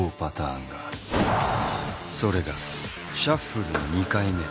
それがシャッフルの２回目。